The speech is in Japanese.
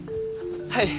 はい。